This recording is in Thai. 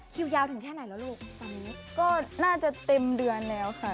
คิวยาวถึงแค่ไหนแล้วลูกตอนนี้ก็น่าจะเต็มเดือนแล้วค่ะ